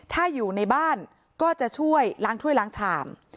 ถ้าอยู่ในบ้านก็จะช่วยล้างถ้วยล้างชาม